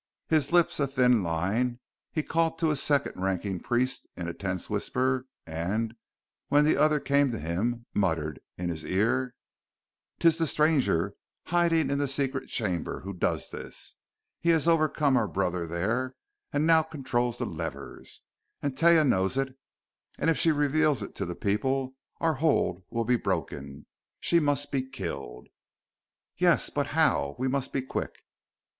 His lips a thin line, he called to his second ranking priest in a tense whisper, and, when the other came to him, muttered in his ear: "'Tis the stranger, hiding in the secret chamber, who does this! He has overcome our brother there, and now controls the levers! And Taia knows it; and if she reveals it to the people our hold will be broken! She must be killed!" "Yes! But how? We must be quick!"